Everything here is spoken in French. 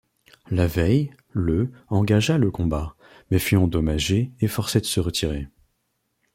La veille, le engagea le combat, mais fut endommagé et forcé de se retirer.